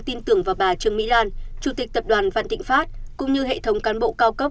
tin tưởng vào bà trương mỹ lan chủ tịch tập đoàn vạn thịnh pháp cũng như hệ thống cán bộ cao cấp